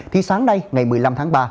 thì sáng nay ngày một mươi năm tháng ba